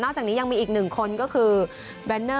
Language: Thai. นอกจากนี้ยังมีอีก๑คนก็คือ